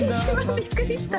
びっくりした！